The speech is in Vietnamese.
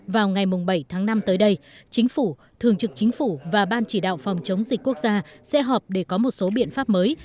vào ngày bảy tháng năm tới đây chính phủ thường trực chính phủ và ban chỉ đạo phòng chống dịch quốc gia sẽ họp để có một số biện pháp mới